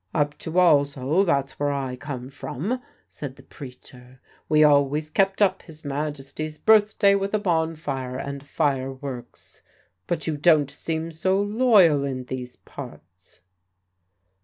"Up to Walsall that's where I come from," said the preacher, "we always kept up His Majesty's birthday with a bonfire and fireworks. But you don't seem so loyal in these parts."